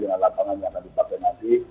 dengan lapangan yang akan dipakai nanti